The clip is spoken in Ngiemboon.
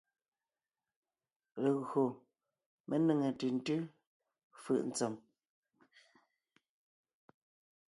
Legÿo mé nêŋe ntʉ̀ntʉ́ fʉʼ ntsèm.